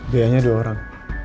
biasanya dua orang